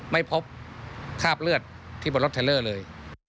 ไม่พบคราบเลือดที่บนรถเทลเลอร์เลย